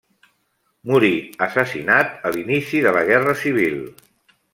Morí assassinat a l'inici de la Guerra Civil.